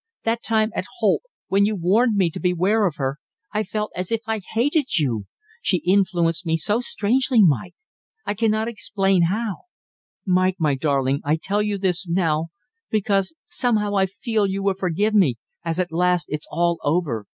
That time, at Holt, when you warned me to beware of her, I felt as if I hated you. She influenced me so strangely, Mike, I cannot explain how. Mike, my darling, I tell you this now because somehow I feel you will forgive me, as at last it's all over.